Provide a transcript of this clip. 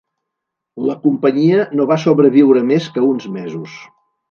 La companyia no va sobreviure més que uns mesos.